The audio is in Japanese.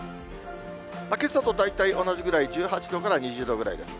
けさと大体同じぐらい、１８度から２０度ぐらいです。